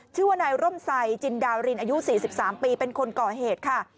ชื่อว่านายร่มไซจินดารินอายุ๔๓ปีเป็นคนก่อเหตุค่ะ